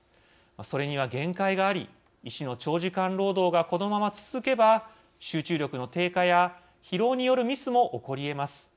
それには限界があり医師の長時間労働がこのまま続けば集中力の低下や疲労によるミスも起こりえます。